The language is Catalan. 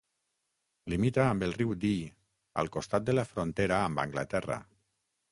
Limita amb el riu Dee, al costat de la frontera amb Anglaterra.